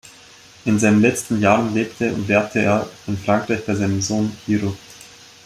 In seinen letzten Jahren lebte und lehrte er in Frankreich bei seinem Sohn Hiroo.